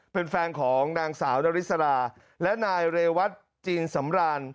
เป็นแฟนของนางสาวนาริสราและนายเรวัตจีนสำราน